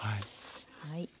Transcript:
はい。